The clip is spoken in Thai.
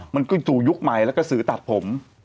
มันขึ้นสู่ยุคใหม่แล้วก็สือตัดผม